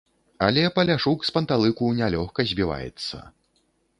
Але паляшук з панталыку не лёгка збіваецца.